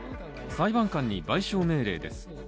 裁判官に賠償命令です。